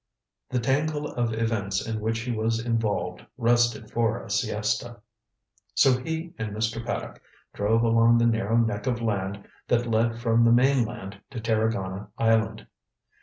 The tangle of events in which he was involved rested for a siesta. So he and Mr. Paddock drove along the narrow neck of land that led from the mainland to Tarragona Island.